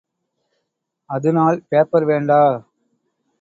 அதுனால் பேப்பர் வேண்டா.